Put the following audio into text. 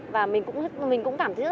và mình cũng cảm thấy rất là